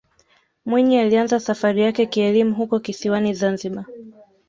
mwinyi alianza safari yake kielimu huko kisiwani zanzibar